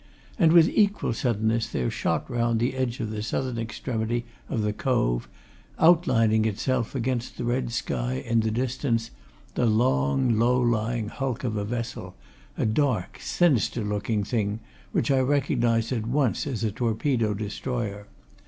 And with equal suddenness there shot round the edge of the southern extremity of the cove, outlining itself against the red sky in the distance the long, low lying hulk of a vessel a dark, sinister looking thing which I recognised at once as a torpedo destroyer.